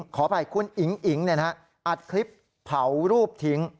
ขออภัยคุณอิ๋งอิ๋งอัดคลิปเผารูปทิ้ง